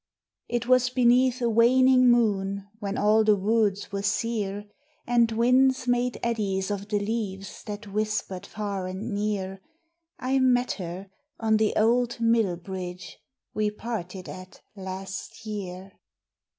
It was beneath a waning moon when all the woods were sear, And winds made eddies of the leaves that whispered far and near, I met her on the old mill bridge we parted at last year.